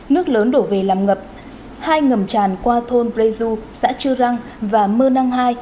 nước lớn đổ về làm ngập hai ngầm tràn qua thôn preju xã chư răng và mơ năng hai